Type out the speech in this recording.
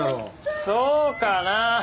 そうかな？